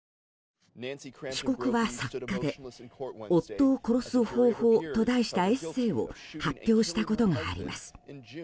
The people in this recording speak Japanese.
被告は作家で「夫を殺す方法」と題したエッセーを発表したことがあります。